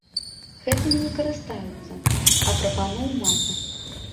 Гэтымі не карыстаюцца, а прапаноў маса!